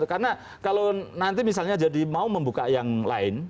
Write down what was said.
karena kalau nanti misalnya jadi mau membuka yang lain